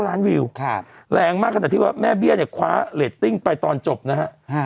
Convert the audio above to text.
ล้านวิวแรงมากขนาดที่ว่าแม่เบี้ยเนี่ยคว้าเรตติ้งไปตอนจบนะฮะ